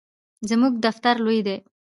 زموږ دفتر لوی دی